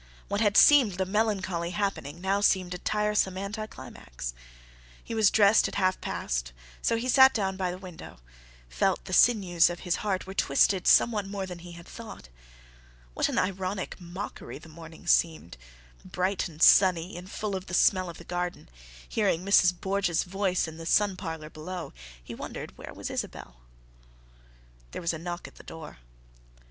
What had seemed a melancholy happening, now seemed a tiresome anticlimax. He was dressed at half past, so he sat down by the window; felt that the sinews of his heart were twisted somewhat more than he had thought. What an ironic mockery the morning seemed!—bright and sunny, and full of the smell of the garden; hearing Mrs. Borge's voice in the sun parlor below, he wondered where was Isabelle. There was a knock at the door.